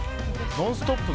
「ノンストップ！」